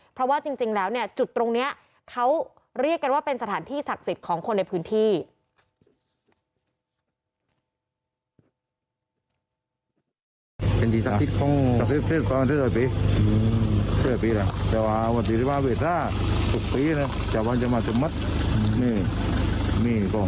เพราะว่าจริงแล้วเนี่ยจุดตรงนี้เขาเรียกกันว่าเป็นสถานที่ศักดิ์สิทธิ์ของคนในพื้นที่